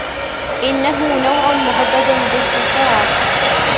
إنه نوع مهدد بالانقراض.